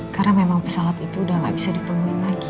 karena memang pesawat itu udah gak bisa ditemuin lagi